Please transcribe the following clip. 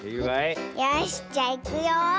よしじゃいくよ。